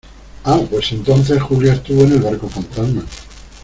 ¡ ah! pues entonces Julia estuvo en el barco fantasma